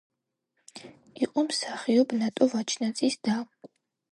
იყო მსახიობ ნატო ვაჩნაძის და.